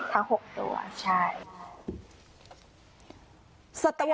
ทั้ง๖ตัวเหรอคะทั้ง๖ตัวใช่